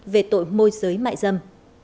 về tội môi giới mại dâm